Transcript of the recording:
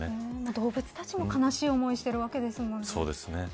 動物たちも悲しい思いをしているわけですもんね。